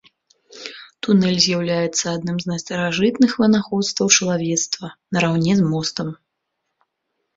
Тунэль з'яўляецца адным з найстаражытных вынаходстваў чалавецтва, нараўне з мостам.